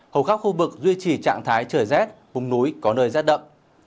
hầu khắp khu vực duy trì trạng thái trời rét vùng núi có nơi rét đậm